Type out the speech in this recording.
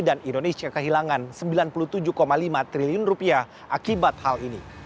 dan indonesia kehilangan sembilan puluh tujuh lima triliun rupiah akibat hal ini